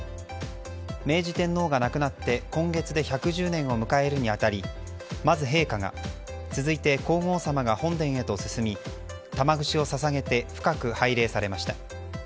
明治天皇が亡くなって今月で１１０年を迎えるにあたりまず陛下が、続いて皇后さまが本殿へと進み玉串を捧げて深く拝礼されました。